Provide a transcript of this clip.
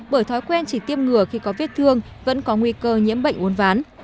bởi thói quen chỉ tiêm ngừa khi có vết thương vẫn có nguy cơ nhiễm bệnh uốn ván